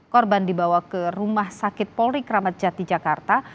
korban dibawa ke rumah sakit polri kramat jati jakarta